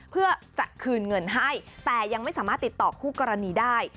เพื่อจะคืนเงินให้แต่ยังไม่สามารถติดต่อคู่กรณีได้